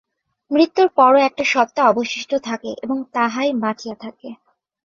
মৃত্যুর পরও একটা সত্তা অবশিষ্ট থাকে এবং তাহাই বাঁচিয়া থাকে।